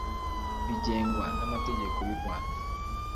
bigengwa n amategeko y u Rwanda